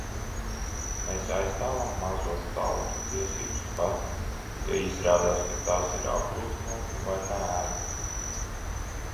Mēs aizstāvam mazo tautu tiesības pat, ja izrādās, ka tas ir apgrūtinoši vai neērti.